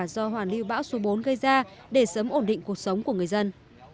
do hoàn lưu bão số bốn gây ra để sớm ổn định cuộc sống của người dân